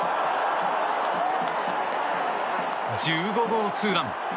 １５号ツーラン。